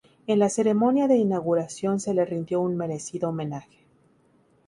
En la ceremonia de inauguración se le rindió un merecido homenaje.